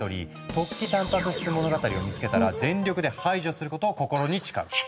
「突起たんぱく質物語」を見つけたら全力で排除することを心に誓う。